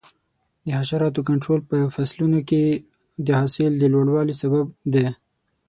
د حشراتو کنټرول په فصلونو کې د حاصل د لوړوالي سبب دی.